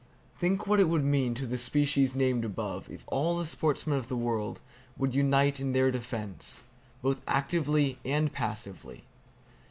Think what it would mean to the species named above if all the sportsmen of the world would unite in their defense, both actively and passively!